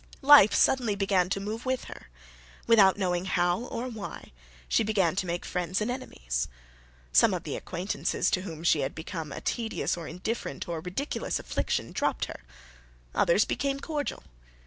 Life suddenly began to move with her. Without knowing how or why, she began to make friends and enemies. Some of the acquaintances to whom she had been a tedious or indifferent or ridiculous affliction, dropped her: others became cordial.